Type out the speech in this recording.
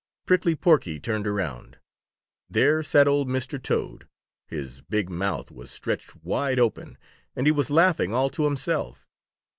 Prickly Porky turned around. There sat old Mr. Toad. His big mouth was stretched wide open, and he was laughing all to himself.